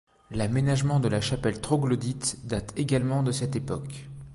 L’aménagement de la chapelle troglodyte date également de cette époque.